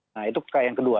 nah itu yang kedua